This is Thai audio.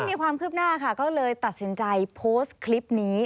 มีความคืบหน้าค่ะก็เลยตัดสินใจโพสต์คลิปนี้